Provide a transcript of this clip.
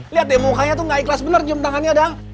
lihat deh mukanya tuh gak ikhlas bener cium tangannya dong